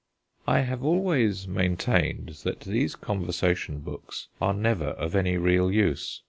I have always maintained that these conversation books are never of any real use.